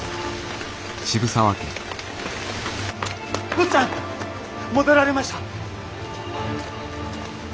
坊ちゃん戻られました！